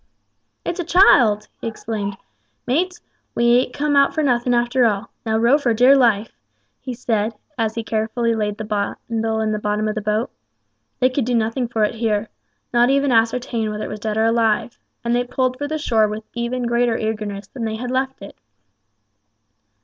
"It's a child!" he exclaimed. "Mates, we ain't come out for nothing, after all. Now row for dear life," he said, as he carefully laid the bundle in the bottom of the boat. They could do nothing for it here, not even ascertain whether it was dead or alive; and they pulled for the shore with even greater eagerness than they had left it.